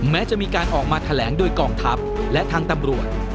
แม้จะมีการออกมาแถลงโดยกองทัพและทางตำรวจ